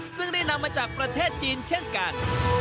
ซึ่งได้นำมาจากประเทศจีนเช่นกัน